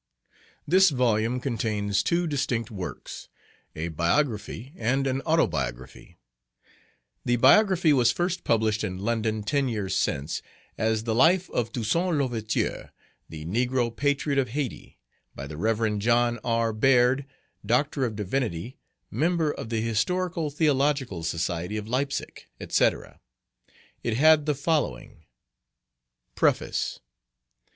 THIS volume contains two distinct works, a Biography and an Autobiography. The Biography was first published in London, ten years since, as "The Life of Toussaint L'Ouverture, the Negro Patriot of Hayti: By the Rev. John R. Beard, D. D., Member of the Historico Theological Society of Leipsic, etc." It had the following PREFACE.